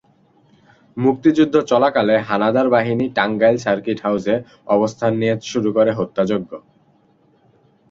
মুক্তিযুদ্ধ চলাকালে হানাদার বাহিনী টাঙ্গাইল সার্কিট হাউসে অবস্থান নিয়ে শুরু করে হত্যাযজ্ঞ।